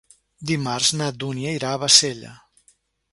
Dimarts na Dúnia irà a Bassella.